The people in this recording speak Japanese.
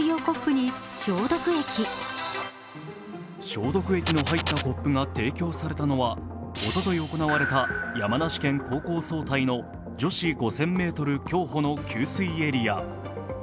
消毒液の入ったコップが提供されたのはおととい行われた山梨県高校総体の女子５０００ｍ競歩の給水エリア。